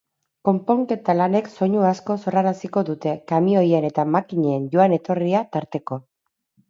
Konponketa lanek soinu asko sorraraziko dute, kamioien eta makinen joan-etorria tarteko.